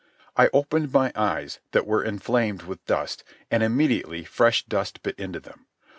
I opened my eyes, that were inflamed with dust, and immediately fresh dust bit into them.